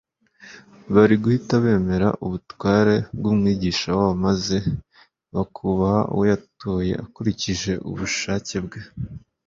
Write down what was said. Bari guhita bemera ubutware bw'Umwigisha wabo maze bakubaha uwo yatoye akurikije ubushake bwe.